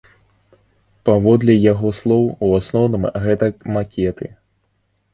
Паводле яго слоў, у асноўным гэта макеты.